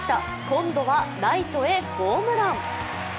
今度はライトへホームラン。